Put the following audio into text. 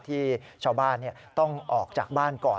ที่ชาวบ้านต้องออกจากบ้านก่อน